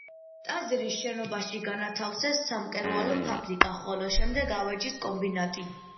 ტაძრის შენობაში განათავსეს სამკერვალო ფაბრიკა, ხოლო შემდეგ ავეჯის კომბინატი.